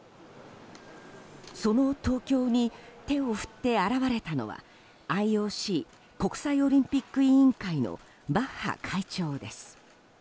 その東京に手を振って現れたのはＩＯＣ・国際オリンピック委員会のバッハ会長です。